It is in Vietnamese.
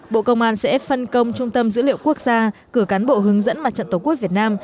bộ công an sẽ phân công trung tâm dữ liệu quốc gia cử cán bộ hướng dẫn mặt trận tổ quốc việt nam